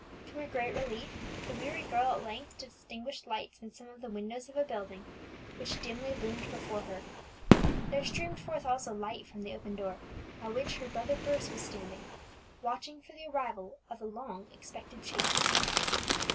To her great relief, the weary girl at length distinguished lights in some of the windows of a building which dimly loomed before her. There streamed forth also light from the open door, at which her brother Bruce was standing, watching for the arrival of the long expected chaise.